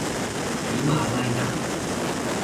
喜马拉雅